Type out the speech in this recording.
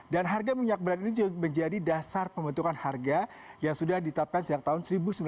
dan harga minyak brand ini menjadi dasar pembentukan harga yang sudah ditapkan sejak tahun seribu sembilan ratus tujuh puluh satu